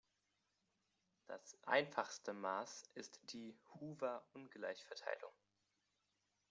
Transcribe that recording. Das einfachste Maß ist die Hoover-Ungleichverteilung.